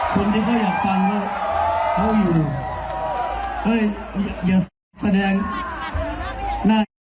คนที่เขาอยากฟังเขาอยู่เฮ้ยอย่าแสดงหน้าที่